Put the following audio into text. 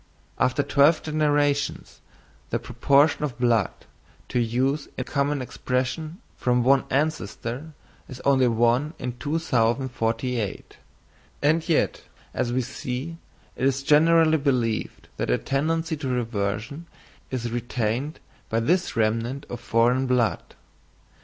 After twelve generations, the proportion of blood, to use a common expression, from one ancestor, is only 1 in 2048; and yet, as we see, it is generally believed that a tendency to reversion is retained by this remnant of foreign blood.